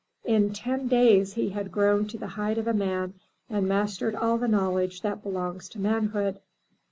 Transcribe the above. In ten days he had grown to the height of a man and mastered all the knowledge that belongs to man hood.